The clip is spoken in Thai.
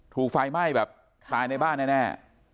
ถูกไฟไหม้แบบตายในบ้านแน่